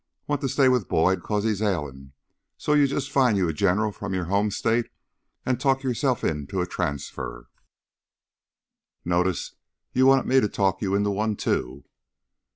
Want to stay with Boyd 'cause he's ailin', so you jus' find you a general from your home state an' talk yourself into a transfer " "Notice you wanted me to talk you into one, too."